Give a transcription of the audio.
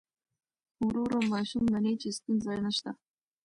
ورو ورو ماشوم مني چې ستونزه نشته.